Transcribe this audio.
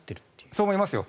そう思いますよ。